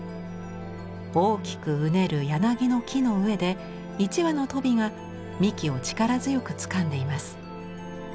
大きくうねる柳の樹の上で一羽の鳶が幹を力強くつかんでいます。